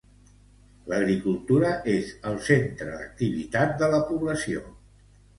L'agricultura és el centre d'activitat de la població.